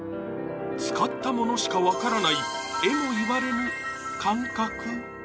使った者しか分からないえも言われぬ感覚